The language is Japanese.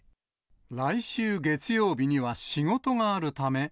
来週月曜日には仕事があるため。